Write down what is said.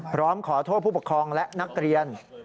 พร้อมขอโทษผู้ปกครองและนักเรียน